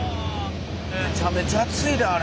めちゃめちゃ熱いであれ。